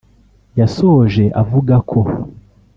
yasoje avuga ko